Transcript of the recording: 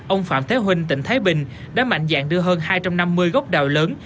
ông phạm thế huynh tỉnh thái bình đã mạnh dạng đưa hơn hai trăm năm mươi gốc đào lớn